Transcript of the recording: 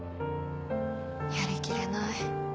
やりきれない。